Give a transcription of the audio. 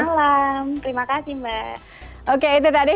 selamat malam terima kasih mbak